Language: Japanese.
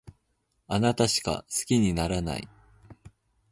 あなたしか好きにならない